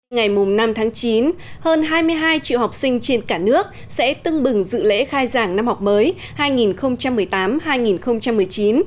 ngày năm tháng chín hơn hai mươi hai triệu học sinh trên cả nước sẽ tưng bừng dự lễ khai giảng năm học mới hai nghìn một mươi tám hai nghìn một mươi chín